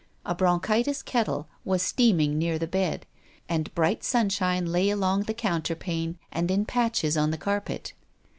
A bronchitis kettle was steaming near the bed, and bright autumn sunshine lay along the counterpane and in patches on the carpet.